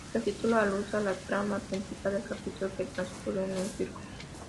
El título alude a la trama principal del capítulo que transcurre en un circo.